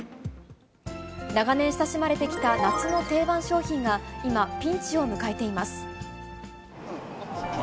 長年親しまれてきた夏の定番商品が今、ピンチを迎えています。